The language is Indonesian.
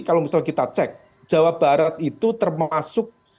kalau misalnya kita cek jawa barat itu termasuk